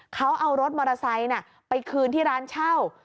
เขาเอารถมอเตอร์ไซค์ไปคืนที่ร้านเช่า